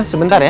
mas sebentar ya